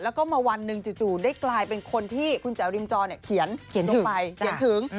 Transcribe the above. แล้วก็มาวันนึงจู่ได้กลายเป็นคนที่คุณแจ๋วริมจรเขียนถึง